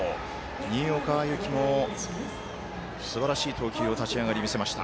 新岡歩輝もすばらしい投球を立ち上がり見せました。